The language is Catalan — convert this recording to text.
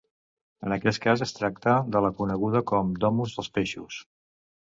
En aquest cas es tracta de la coneguda com Domus dels Peixos.